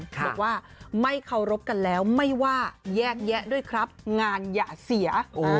บอกว่าไม่เคารพกันแล้วไม่ว่าแยกแยะด้วยครับงานอย่าเสีย